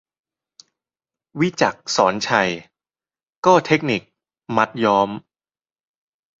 วิจักร ศรไชย : ก็เทคนิค 'มัดย้อม'